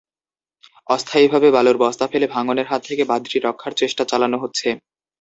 অস্থায়ীভাবে বালুর বস্তা ফেলে ভাঙনের হাত থেকে বাঁধটি রক্ষার চেষ্টা চালানো হচ্ছে।